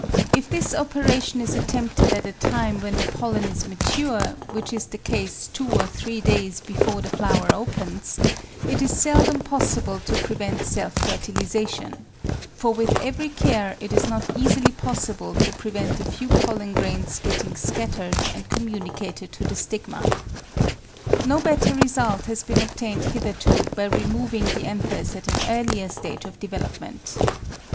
If this operation is attempted at a time when the pollen is mature, which is the case two or three days before the flower opens, it is seldom possible to prevent self fertilisation ; for with every care it is not easily possible to prevent a few pollen grains getting scattered and communicated to the stigma. No better result has been obtained hitherto by removing the anthers at an earlier stage of development.